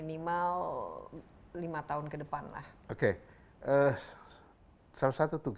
dan kemudian kita juga harus memiliki perusahaan yang lebih besar dari perusahaan tersebut